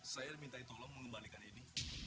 saya diminta tolong mengembalikan ini